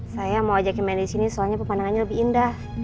saya mau ajakin main disini soalnya pepanangannya lebih indah